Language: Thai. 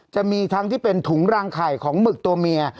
จะมีทั้งที่เป็นถุงรางไข่ของหมึกตัวเมีย